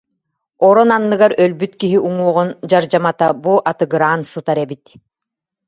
Орон анныгар өлбүт киһи уҥуоҕун дьардьамата бу атыгыраан сытар эбит